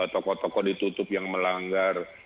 toko toko ditutup yang melanggar